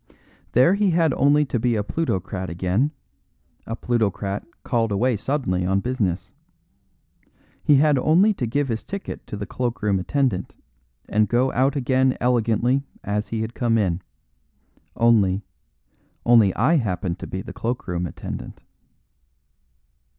There he had only to be a plutocrat again a plutocrat called away suddenly on business. He had only to give his ticket to the cloak room attendant, and go out again elegantly as he had come in. Only only I happened to be the cloak room attendant."